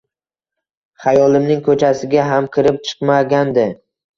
Xayolimning ko’chasiga ham kirib chiqmagandi.